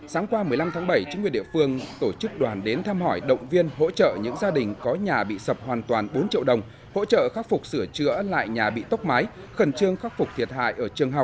sáng qua một mươi năm tháng bảy chính quyền địa phương tổ chức đoàn đến thăm hỏi động viên hỗ trợ những gia đình có nhà bị sập hoàn toàn bốn triệu đồng hỗ trợ khắc phục sửa chữa lại nhà bị tốc mái khẩn trương khắc phục thiệt hại ở trường